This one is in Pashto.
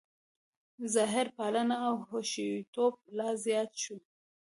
ظاهرپالنه او حشویتوب لا زیات شو.